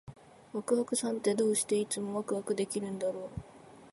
ワクワクさんって、どうしていつもワクワクできるんだろう？